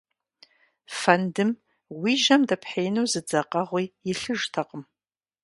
Фэндым уи жьэм дэпхьеину зы дзэкъэгъуи илъыжтэкъым.